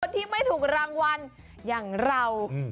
ที่ไม่ถูกรางวัลอย่างเรา